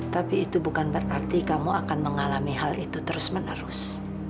tapi itu bukan berarti kamu akan mengalami hal itu terus menerus